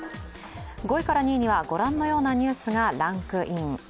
５位から２位には、ご覧のようなニュースがランクイン。